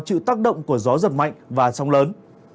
chịu tác động của gió giật mạnh và sóng lớn